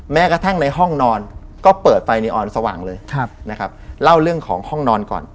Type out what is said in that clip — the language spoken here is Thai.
แม้กระทั่งในห้องนอนก็เปิดไฟในออนสว่างเลยนะครับเล่าเรื่องของห้องนอนก่อน